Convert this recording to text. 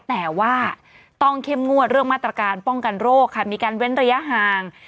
แต่ว่าต้องเข้มงวดเรื่องมาตรการป้องกันโรคค่ะมีการเว้นระยะห่าง